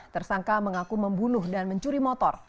tersangka mengaku membunuh dan mencuri motor